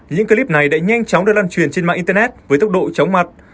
những clip này đã nhanh chóng được lan truyền trên mạng internet với tốc độ chóng mặt